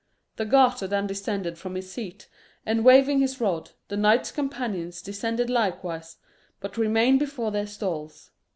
The Garter then descended from his seat, and waving his rod, the knights companions descended likewise, but remained before their stalls.